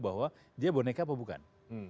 bahwa dia boneka apa bukan